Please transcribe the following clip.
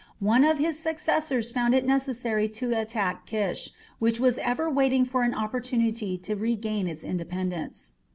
One of his successors found it necessary to attack Kish, which was ever waiting for an opportunity to regain its independence.